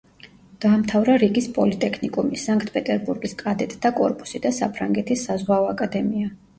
დაამთავრა რიგის პოლიტექნიკუმი, სანქტ-პეტერბურგის კადეტთა კორპუსი და საფრანგეთის საზღვაო აკადემია.